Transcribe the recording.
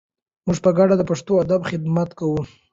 موږ په ګډه د پښتو ادب خدمت کوو.